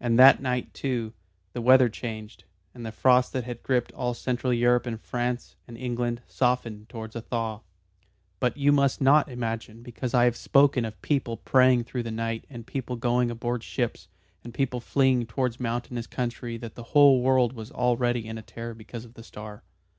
And that night, too, the weather changed, and the frost that had gripped all Central Europe and France and England softened towards a thaw. But you must not imagine because I have spoken of people praying through the night and people going aboard ships and people fleeing towards mountainous country that the whole world was already in a terror because of the star.